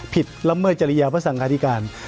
ผิดลำเมิดจริยาภาษางคาธิการ